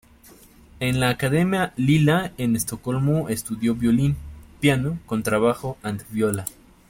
En la Academia Lilla en Estocolmo estudió violín, piano, contrabajo and viola.